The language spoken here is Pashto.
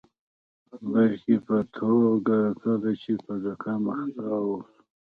د بیلګې په توګه کله چې په زکام اخته اوسو.